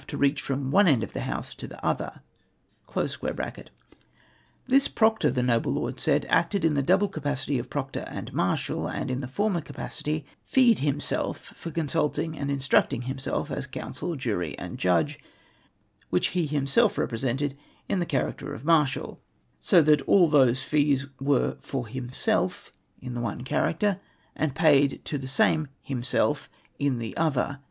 189 to reach from one end of the house to the other.'] This Proctor, the noble lord said, acted in the double capacity of Proctor and Marshal ; and in the former capacity feed himself for consultiog and instructing himself as counsel, jury, and judge, which he himself represented in the character of Marshal ; so that all those fees were for himself in the one chai'acter, and paid to the same himself in the other.